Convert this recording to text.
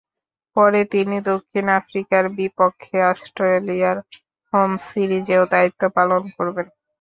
পরে তিনি দক্ষিণ আফ্রিকার বিপক্ষে অস্ট্রেলিয়ার হোম সিরিজেও দায়িত্ব পালন করবেন।